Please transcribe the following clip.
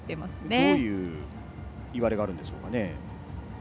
どういういわれがあるんでしょうかね。